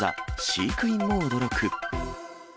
飼育員も驚く。